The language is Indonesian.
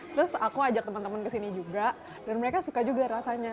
terus aku ajak teman teman kesini juga dan mereka suka juga rasanya